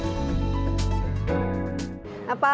jadi terima kasih